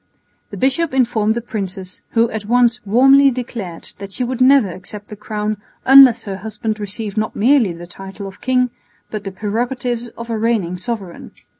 The bishop informed the princess, who at once warmly declared that she would never accept the crown unless her husband received not merely the title of king, but the prerogatives of a reigning sovereign.